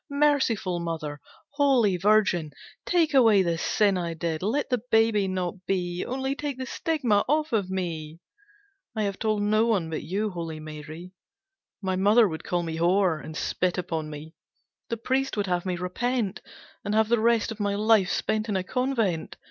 Merciful Mother, Holy Virgin, take away this sin I did. Let the baby not be. Only take the stigma off of me! I have told no one but you, Holy Mary. My mother would call me "whore", and spit upon me; the priest would have me repent, and have the rest of my life spent in a convent.